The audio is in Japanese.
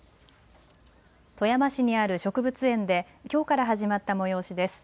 富山市にある植物園できょうから始まった催しです。